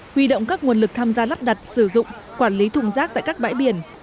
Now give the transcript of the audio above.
huy động các nguồn lực tham gia lắp đặt sử dụng quản lý thùng rác tại các bãi biển